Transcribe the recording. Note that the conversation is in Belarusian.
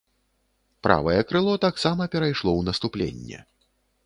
Правае крыло таксама перайшло ў наступленне.